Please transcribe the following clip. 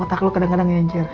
otak lu kadang kadang ngejir